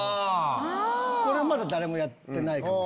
これはまだ誰もやってないかも。